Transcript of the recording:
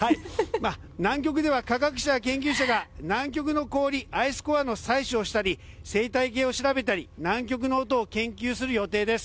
南極では、科学者や研究者が南極の氷アイスコアの採取をしたり生態系を調べたり南極の音を研究する予定です。